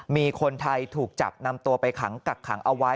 มีคนไทยถูกจับนำตัวไปขังกักขังเอาไว้